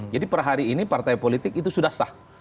jadi per hari ini partai politik itu sudah sah